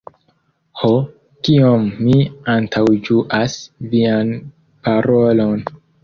Ho, kiom mi antaŭĝuas vian parolon!